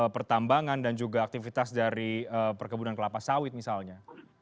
pertambangan dan juga aktivitas dari perkebunan kelapa sawit misalnya